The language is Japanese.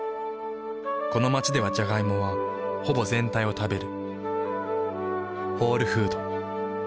この街ではジャガイモはほぼ全体を食べる。